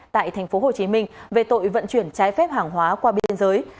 tại tp hcm về tội vận chuyển trái phép hàng hóa qua biên giới